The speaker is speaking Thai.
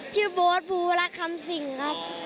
ชื่อบอห์ดบูห์ดรักคำสิ่งครับ